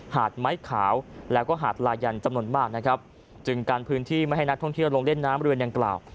หาดไม้ขาวแล้วก็หาดลายันจำนวนมากนะครับจึงกันพื้นที่ไม่ให้นักท่องเที่ยวลงเล่นน้ำบริเวณดังกล่าว